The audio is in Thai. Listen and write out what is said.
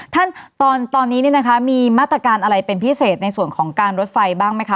ท่านตอนนี้มีมาตรการอะไรเป็นพิเศษในส่วนของการรถไฟบ้างไหมคะ